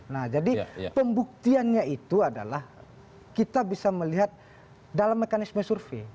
nah jadi pembuktiannya itu adalah kita bisa melihat dalam mekanisme survei